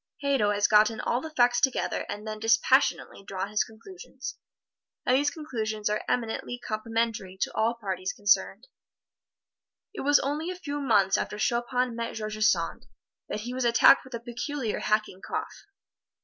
Hadow has gotten all the facts together and then dispassionately drawn his conclusions; and these conclusions are eminently complimentary to all parties concerned. It was only a few months after Chopin met George Sand that he was attacked with a peculiar hacking cough.